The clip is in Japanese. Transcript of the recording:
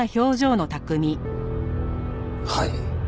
はい。